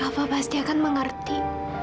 kafa pasti akan mengerti